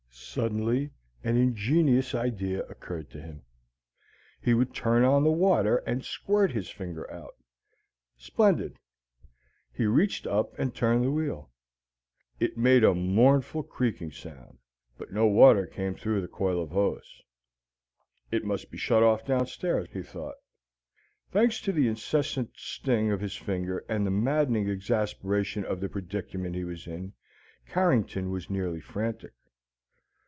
Suddenly an ingenious idea occurred to him: he would turn on the water and squirt his finger out! Splendid! He reached up and turned the wheel. It made a mournful creaking sound, but no water came through the coil of hose. "It must be shut off downstairs," he thought. Thanks to the incessant sting of his finger and the maddening exasperation of the predicament he was in, Carrington was nearly frantic.